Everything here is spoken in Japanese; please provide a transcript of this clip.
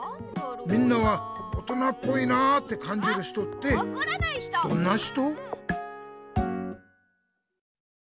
みんなは「大人っぽいな」ってかんじる人ってどんな人？